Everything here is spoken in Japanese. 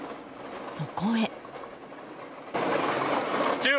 そこへ。